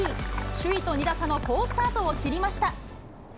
首位と２打差の好スタートを切りました。